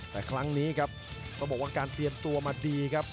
แต่ครั้งนี้ครับต้องบอกว่าการเตรียมตัวมาดีครับ